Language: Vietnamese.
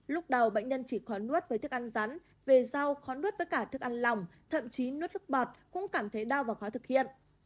lúc đầu bệnh nhân chỉ khó nuốt với thức ăn rắn về rau khó nuốt với cả thức ăn lòng thậm chí nuốt nước bọt cũng cảm thấy đau và khó thực hiện